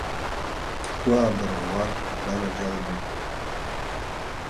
Ҳгәы аабырӷәӷәар, банаџьалбеит.